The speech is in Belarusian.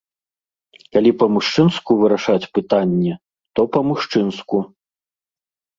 Калі па-мужчынску вырашаць пытанне, то па-мужчынску.